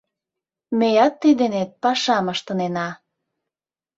Меат тый денет пашам ыштынена.